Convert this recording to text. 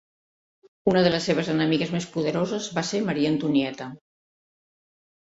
Una de les seves enemigues més poderoses va ser Maria Antonieta.